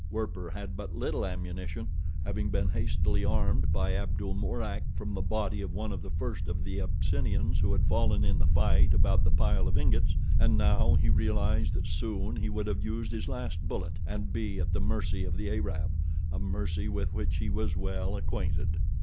Werper had but little ammunition, having been hastily armed by Abdul Mourak from the body of one of the first of the Abyssinians who had fallen in the fight about the pile of ingots, and now he realized that soon he would have used his last bullet, and be at the mercy of the Arab—a mercy with which he was well acquainted.